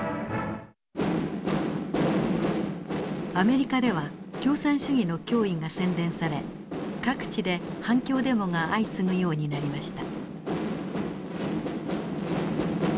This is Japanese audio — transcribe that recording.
アメリカでは共産主義の脅威が宣伝され各地で反共デモが相次ぐようになりました。